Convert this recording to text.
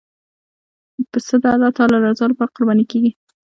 پسه د الله تعالی رضا لپاره قرباني کېږي.